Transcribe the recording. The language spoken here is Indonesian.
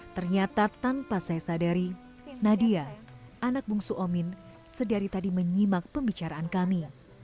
ternyata tanpa saya sadari nadia anak bungsu omin sedari tadi menyimak pembicaraan kami